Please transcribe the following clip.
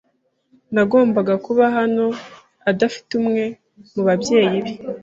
ntagomba kuba hano adafite umwe mubabyeyi be.